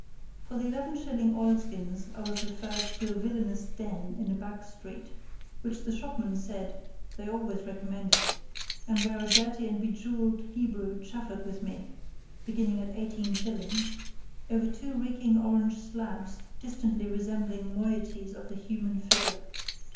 For the eleven shilling oilskins I was referred to a villainous den in a back street, which the shopman said they always recommended, and where a dirty and bejewelled Hebrew chaffered with me (beginning at 18_s_.) over two reeking orange slabs distantly resembling moieties of the human figure.